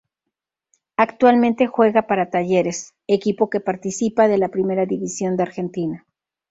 Actualmente juega para Talleres; equipo que participa de la Primera División de Argentina.